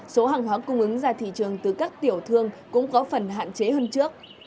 số hàng hóa cung ứng ra thị trường từ các tiểu thương cũng có phần hạn chế hơn trước